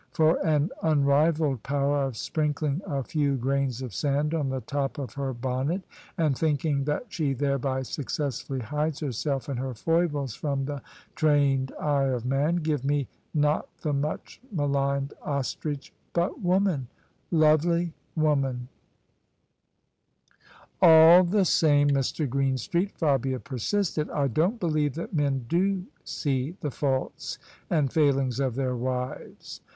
For an unrivalled power of sprinkling a few grains of sand on the top of her bonnet, and thinking that she thereby successfully hides herself and her foibles from the trained eye of man, give me not the much maligned ostrich but woman, lovely woman 1 "" All the same, Mr. Greenstreet," Fabia persisted, " I don't believe that men do see the faults and failings of their wives."